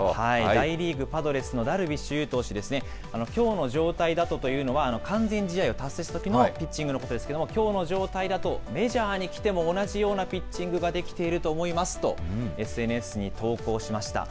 大リーグ・パドレスのダルビッシュ有投手ですね、きょうの状態だとというのは、完全試合を達成したときのピッチングのことですけれども、きょうの状態だと、メジャーに来ても同じようなピッチングができていると思いますと、ＳＮＳに投稿しました。